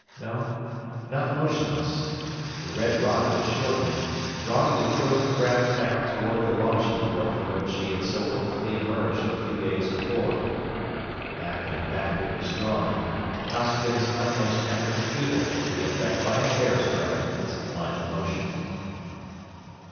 No, not motionless the red rod was shortening, drawing the truant craft back toward the launching port from which she had so hopefully emerged a few days before. Back and back it was drawn; Costigan's utmost efforts futile to affect by a hair's breadth its line of motion.